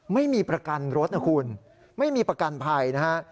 ไม่มีประกันรถนะคุณไม่มีประกันภัยนะฮะ